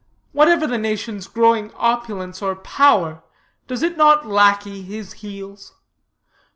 Whatever the nation's growing opulence or power, does it not lackey his heels?